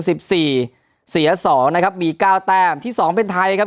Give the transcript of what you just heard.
สิบสี่เสียสองนะครับมีเก้าแต้มที่สองเป็นไทยครับ